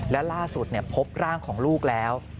และล่าสุดพบร่างของลูกแล้ว